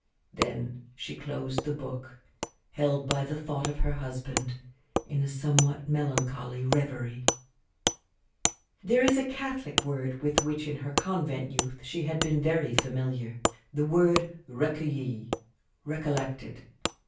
Then she closed the book, held by the thought of her husband in a somewhat melancholy reverie. There is a Catholic word with which in her convent youth she had been very familiar the word recueilli "recollected."